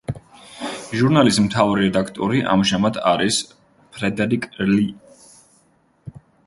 ჟურნალის მთავარი რედაქტორი ამჟამად არის ფრედერიკ ლი.